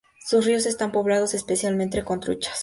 Sus ríos están poblados especialmente con truchas.